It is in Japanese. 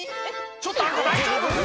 「ちょっとあんた大丈夫⁉」